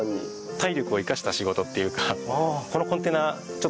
体力を生かした仕事っていうか。